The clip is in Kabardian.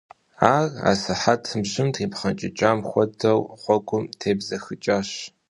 Ар асыхьэтым, жьым трипхъэнкӀыкӀам хуэдэу, гъуэгум тебзэхыкӀащ.